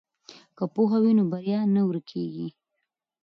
که پوهه وي نو بریا نه ورکیږي.